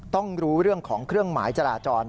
ต้องรู้เรื่องของเครื่องหมายจราจร